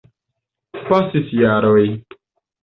Pasis jaroj.